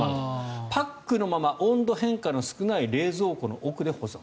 パックのまま温度変化の少ない冷蔵庫の奥で保存。